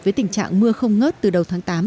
với tình trạng mưa không ngớt từ đầu tháng tám